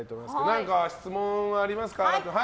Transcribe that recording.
何か質問はありますか？